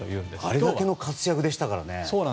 あれだけの活躍でしたからね。